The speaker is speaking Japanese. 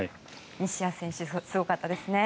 西矢選手すごかったですね。